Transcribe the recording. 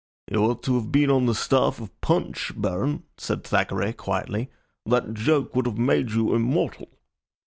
"You ought to have been on the staff of Punch, Baron," said Thackeray, quietly. "That joke would have made you immortal."